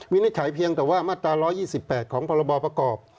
นิจฉัยเพียงแต่ว่ามาตรา๑๒๘ของพรบประกอบ